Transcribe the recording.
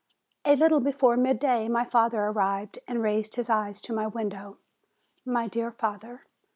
A little before midday, my father arrived and raised his eyes to my window ; my dear father